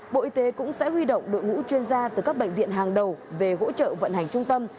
bộ y tế cũng sẽ huy động đội ngũ chuyên gia từ các bệnh viện hàng đầu về hỗ trợ vận hành trung tâm